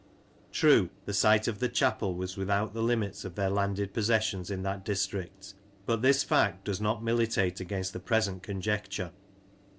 True, the site of the Chapel was without the limits of their landed possessions in that district ; but this fact does not militate against the present conjecture.